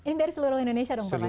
ini dari seluruh indonesia dong pak